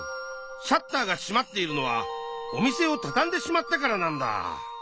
シャッターがしまっているのはお店をたたんでしまったからなんだ。